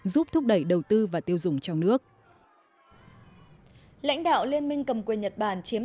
giúp thúc đẩy đầu tư và tiêu dùng trong nước lãnh đạo liên minh cầm quyền nhật bản chiếm